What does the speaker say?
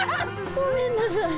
ごめんなさい。